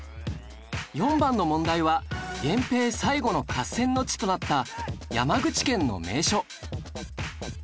４番の問題は源平最後の合戦の地となった山口県の名所